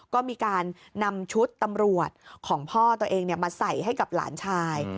ก็มีการนำชุดตำรวจของพ่อตัวเองมาใส่ให้กับหลานชาย